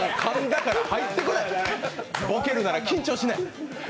ボケるなら緊張しないで。